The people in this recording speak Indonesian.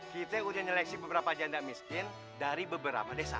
kita sudah nyeleksi beberapa janda miskin dari beberapa desa